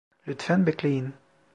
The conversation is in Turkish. Lütfen bekleyin.